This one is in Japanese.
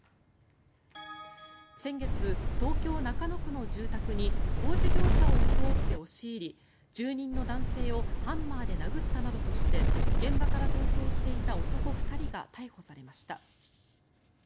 先月、東京・中野区の住宅に工事業者を装って押し入り住民の男性をハンマーで殴ったなどとして現場から逃走していた男２人が逮捕されました。